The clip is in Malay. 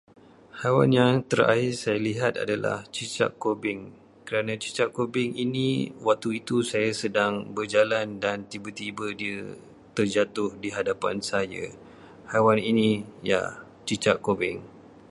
Haiwan yang terakhir saya lihat adalah cicak kubin, kerana cicak kubin ini- waktu itu saya sedang berjalan, dan tiba-tiba dia terjatuh di hadapan saya. Haiwan ini, ya cicak kubin.